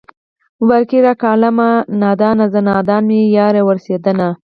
مبارکي راکړئ عالمه نادانه زه نادان مې يار ورسېدنه